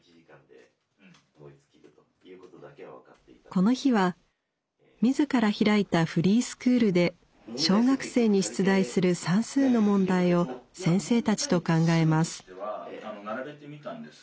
この日は自ら開いたフリースクールで小学生に出題する算数の問題を先生たちと考えます。